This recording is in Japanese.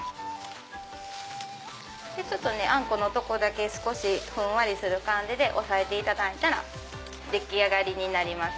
ちょっとあんこのとこだけふんわりする感じで押さえていただいたら出来上がりになります。